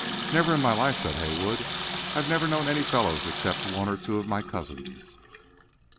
"Never in my life," said Haywood. "I've never known any fellows except one or two of my cousins."